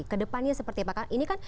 ke depannya seperti apa karena ini kan